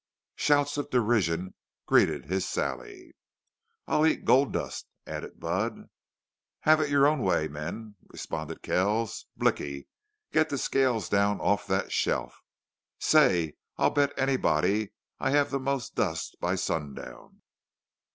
Shouts of derision greeted his sally. "I'll eat gold dust," added Budd. "Have it your own way, men," responded Kells. "Blicky, get the scales down off of that shelf.... Say, I'll bet anybody I'll have the most dust by sundown."